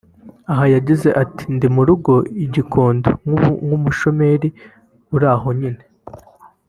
Aha yagize ati ” Ndi mu rugo i Gikondo nk’umushomeri uraho nyine